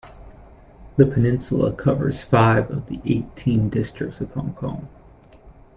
The peninsula covers five of the eighteen districts of Hong Kong.